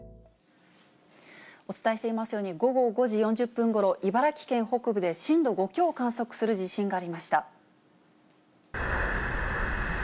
お伝えしていますように、午後５時４０分ごろ、茨城県北部で震度５強を観測する地震がありました。